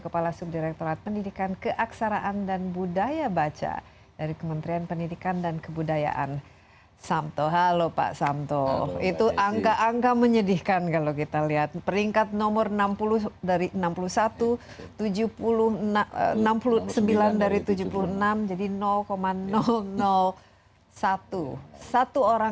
pulau dan lain sebagainya kira kira